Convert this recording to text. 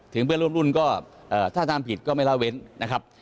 เพื่อนร่วมรุ่นก็ถ้าทำผิดก็ไม่ละเว้นนะครับ